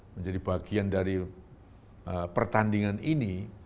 menjadi bagian dari pertandingan ini